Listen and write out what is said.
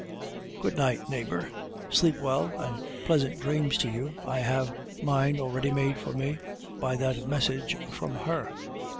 "Good night, neighbor! Sleep well, and pleasant dreams to you! I have mine already made for me by that message from her.